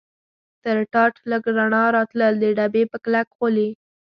تر ټاټ لږ رڼا راتلل، د ډبې په کلک غولي.